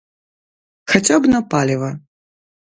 Хаця б на паліва.